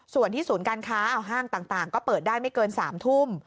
ส่วนที่ศูนย์การค้าห้างต่างก็เปิดได้ไม่เกิน๓ทุ่ม